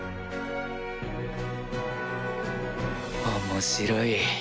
面白い。